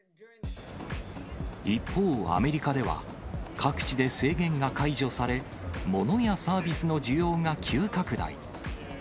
一方、アメリカでは各地で制限が解除され、ものやサービスの需要が急拡大。